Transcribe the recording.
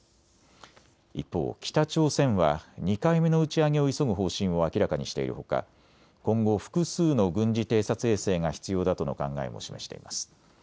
一方、北朝鮮は２回目の打ち上げを急ぐ方針を明らかにしているほか今後、複数の軍事偵察衛星が必要だとの考えも示しています。